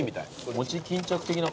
餅巾着的な感じ。